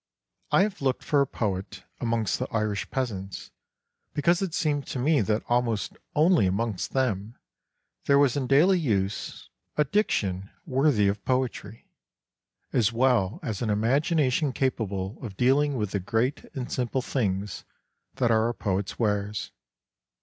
I have looked for a poet amongst the Irish peasants because it seemed to me that almost only amongst them there was in daily use a 7 8 INTRODUCTION diction worthy of poetry, as well as an imagi nation capable of dealing with the great and simple things that are a poet's wares.